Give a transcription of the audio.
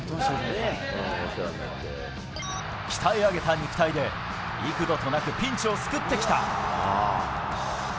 鍛え上げた肉体で、幾度となくピンチを救ってきた。